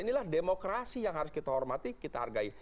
inilah demokrasi yang harus kita hormati kita hargai